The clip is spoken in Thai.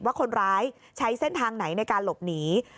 ว่าคนร้ายใช้เส้นทางไหนในการหลบหนี